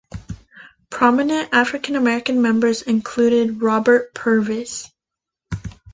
Prominent African-American members included Robert Purvis.